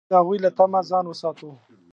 موږ باید د هغوی له طمع ځان وساتو.